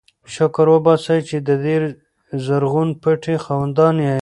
شکر وباسئ چې د دې زرغون پټي خاوندان یئ.